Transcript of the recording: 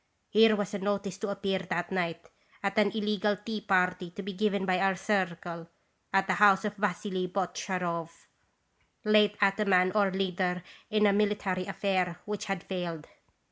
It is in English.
Here was a notice to appear that night at an ' illegal ' tea party to be given by our 'Circle' at the house of Vassily Botcharov, late ataman or leader in a military affair which had failed.